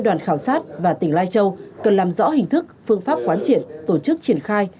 đoàn khảo sát và tỉnh lai châu cần làm rõ hình thức phương pháp quán triệt tổ chức triển khai